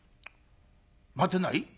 待てない？」。